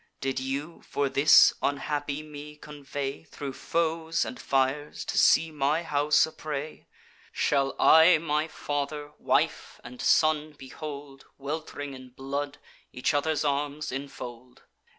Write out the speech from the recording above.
Did you, for this, unhappy me convey Thro' foes and fires, to see my house a prey? Shall I my father, wife, and son behold, Welt'ring in blood, each other's arms infold?